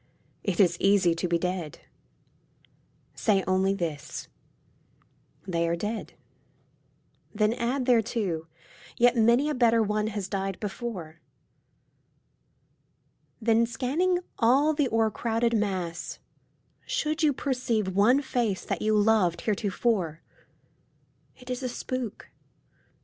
It is easy to be dead. Say only this, " They are dead." Then add thereto, " Yet many a better one has died before." Then, scanning all the o'ercrowded mass, should you Perceive one face that you loved heretofore, It is a spook.